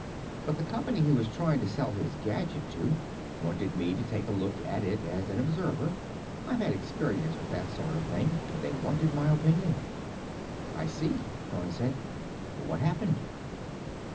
But the company he was trying to sell his gadget to wanted me to take a look at it as an observer. I've had experience with that sort of thing, and they wanted my opinion." "I see," Thorn said. "What happened?"